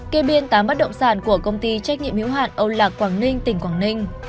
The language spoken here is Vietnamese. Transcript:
kê biên tám bắt động sản của công ty trách nhiệm hữu hạn âu lạc quảng ninh tỉnh quảng ninh